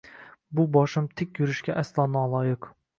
Bu boshim tik yurishga aslo noloyiq